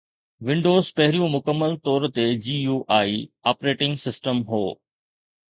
windows پهريون مڪمل طور تي GUI آپريٽنگ سسٽم هو